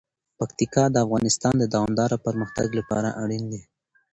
پکتیکا د افغانستان د دوامداره پرمختګ لپاره اړین دي.